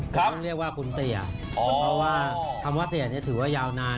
ต้องเรียกว่าคุณเตี๋ยเพราะว่าคำว่าเตี๋ยเนี่ยถือว่ายาวนาน